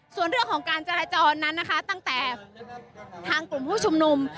ส่วนเรื่องของการจราจรนั้นนะคะตั้งแต่ทางกลุ่มผู้ชุมนุม